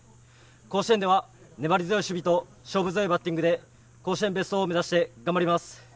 甲子園では、粘り強い守備と勝負強いバッティングで甲子園ベスト４を目指して頑張ります。